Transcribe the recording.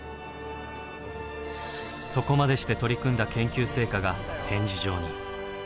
そこまでして取り組んだ研究成果が展示場に。